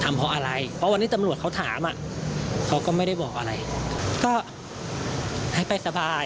แต่เดี๋ยวงานเนี่ยเดี๋ยวพวกพี่จะจาร้ายได้